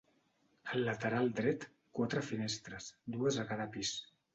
Al lateral dret, quatre finestres, dues a cada pis.